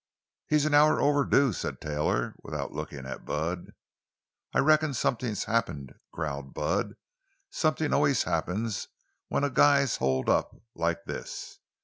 "He's an hour overdue," said Taylor, without looking at Bud. "I reckon somethin's happened," growled Bud. "Somethin' always happens when a guy's holed up, like this.